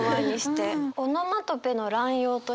オノマトペの乱用というか。